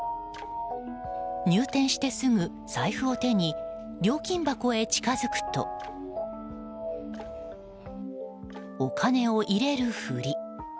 入店してすぐ、財布を手に料金箱へ近づくとお金を入れるふり。